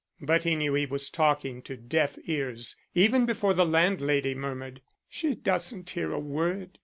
But he knew he was talking to deaf ears even before the landlady murmured: "She doesn't hear a word.